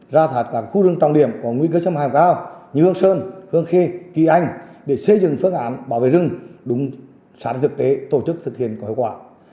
ra thạt các khu rừng trọng điểm có nguy cơ châm hàm cao như hương sơn hương khê kỳ anh để xây dựng phương án bảo vệ rừng đúng sản dựng tế tổ chức thực hiện có hiệu quả